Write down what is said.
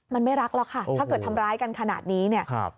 มันไม่รักหรอกค่ะถ้าเกิดทำร้ายกันขนาดนี้เนี่ย